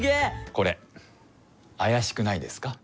これあやしくないですか？